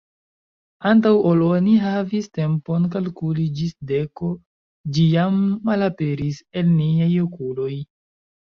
Antaŭ ol oni havis tempon kalkuli ĝis deko, ĝi jam malaperis el niaj okuloj.